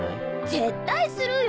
絶対するよ！